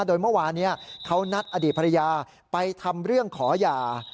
โดยเมื่อวานนี้เขานัดอดีตภรรยาไปทำเรื่องขอหย่า